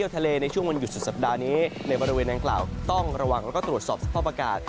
อยู่สุดสัปดาห์นี้ในบริเวณดังกล่าวต้องระวังแล้วก็ตรวจสอบสภาพประกาศ